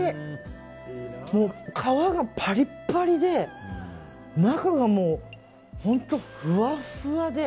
皮がパリパリで中が、もう本当にふわふわで。